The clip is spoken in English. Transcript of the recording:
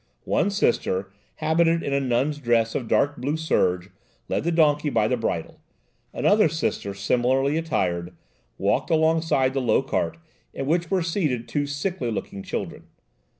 One Sister, habited in a nun's dress of dark blue serge, led the donkey by the bridle; another Sister, similarly attired, walked alongside the low cart, in which were seated two sickly looking children.